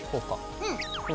うん。